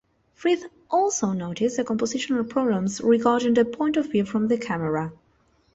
Frith also noticed the compositional problems regarding the point of view from the camera.